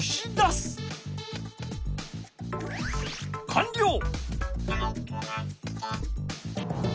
かんりょう！